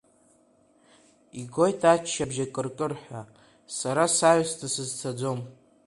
Игоит аччабжь акыркырҳәа, сара саҩсны сызцаӡом.